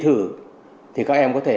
thì các em có thể lựa chọn cái gói đề thi thử